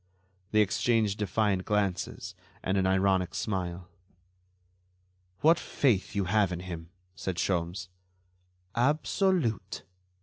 They exchanged defiant glances and an ironic smile. "What faith you have in him!" said Sholmes. "Absolute."